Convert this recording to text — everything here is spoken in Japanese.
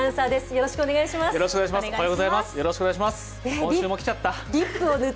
よろしくお願いします。